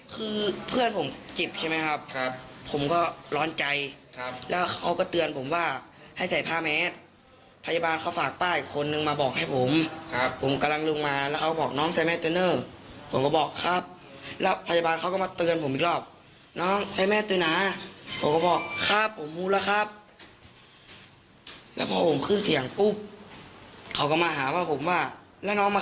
คือเพื่อนผมเจ็บใช่ไหมครับครับผมก็ร้อนใจครับแล้วเขาก็เตือนผมว่าให้ใส่ผ้าแมสพยาบาลเขาฝากป้าอีกคนนึงมาบอกให้ผมครับผมผมกำลังลงมาแล้วเขาบอกน้องใส่แมสเตอร์เนอร์ผมก็บอกครับแล้วพยาบาลเขาก็มาเตือนผมอีกรอบน้องใส่แมสด้วยนะผมก็บอกครับผมรู้แล้วครับแล้วพอผมขึ้นเสียงปุ๊บเขาก็มาหาว่าผมว่าแล้วน้องมา